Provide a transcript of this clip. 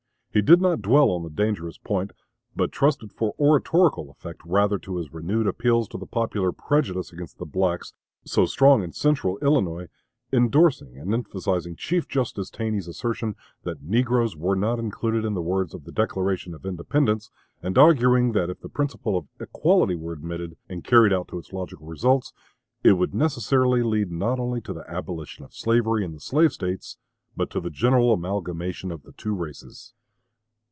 He did not dwell on the dangerous point, but trusted for oratorical effect rather to his renewed appeals to the popular prejudice against the blacks, so strong in central Illinois, indorsing and emphasizing Chief Justice Taney's assertion that negroes were not included in the words of the Declaration of Independence, and arguing that if the principle of equality were admitted and carried out to its logical results, it would necessarily lead not only to the abolition of slavery in the slave States, but to the general amalgamation of the two races.